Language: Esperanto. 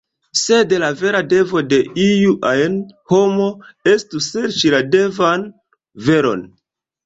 Sed la vera devo de iu ajn homo estu serĉi la devan veron.